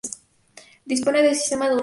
Dispone de sistema dunar.